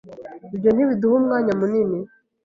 Ibyo ntibiduha umwanya munini.